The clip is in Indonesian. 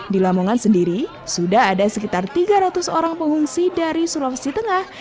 di lamongan sendiri sudah ada sekitar tiga ratus orang pengungsi dari sulawesi tengah